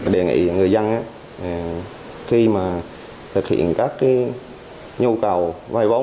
đề nghị người dân khi mà thực hiện các nhu cầu vay vốn